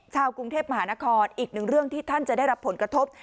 ชาวกรุงเทพมหานครอีกหนึ่งเรื่องที่ท่านจะได้รับผลกระทบ